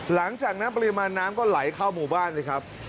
หลังจากนั้นปริมาณน้ำก็ไหลเข้าหมู่บ้านเลยครับ